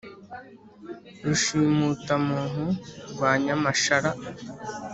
Rushimutamuntu rwa Nyamashara